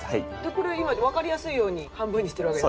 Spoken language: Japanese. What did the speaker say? これ今わかりやすいように半分にしてるわけですね。